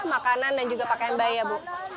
makanan dan juga pakaian bayi ya bu